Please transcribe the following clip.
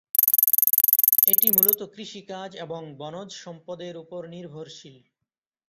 এটি মূলত কৃষিকাজ এবং বনজ সম্পদের ওপর নির্ভরশীল।